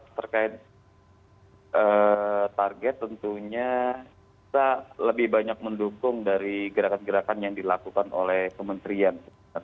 terkait target tentunya kita lebih banyak mendukung dari gerakan gerakan yang dilakukan oleh kementerian